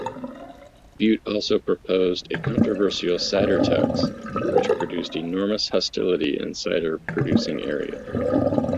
Bute also proposed a controversial Cider tax which produced enormous hostility in cider-producing areas.